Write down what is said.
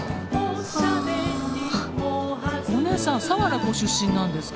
おねえさん佐原ご出身なんですか？